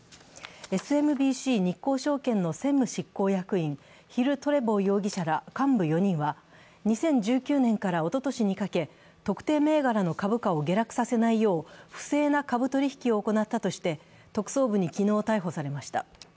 ＳＭＢＣ日興証券の専務執行役員、ヒル・トレボー容疑者ら幹部４人は２０１９年からおととしにかけ、特定銘柄の株価を下落させないよう不正な株取引を行ったとして特捜部に昨日、逮捕されました。